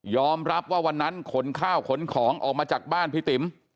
รับว่าวันนั้นขนข้าวขนของออกมาจากบ้านพี่ติ๋ม